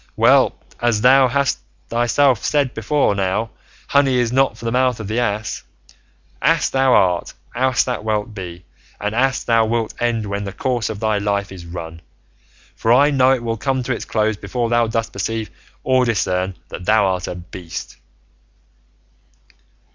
Well, as thou thyself hast said before now, honey is not for the mouth of the ass. Ass thou art, ass thou wilt be, and ass thou wilt end when the course of thy life is run; for I know it will come to its close before thou dost perceive or discern that thou art a beast."